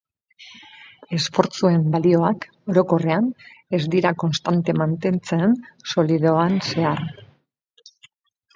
Esfortzuen balioak, orokorrean, ez dira konstante mantentzen solidoan zehar.